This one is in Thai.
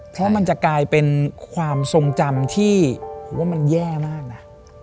เพราะมันจะกลายเป็นความทรงจำที่ผมว่ามันแย่มากนะ